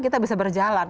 kita bisa berjalan